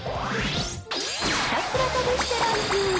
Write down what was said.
ひたすら試してランキング。